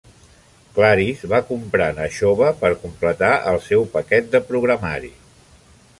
Claris va comprar Nashoba per completar el seu paquet de programari.